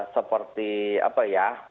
seperti apa ya